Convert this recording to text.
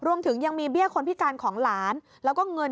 รวมถึงยังมีเบี้ยคนพิการของหลานแล้วก็เงิน